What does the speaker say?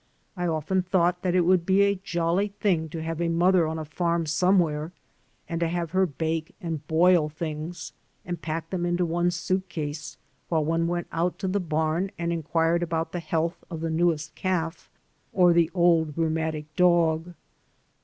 I often thought that it would be a jolly thing to have a mother on a farm somewhere and to have her bake and boil things and pack them into one's suit case while one went out into the bam and inquired about the health of the newest calf or the old rheumatic dog.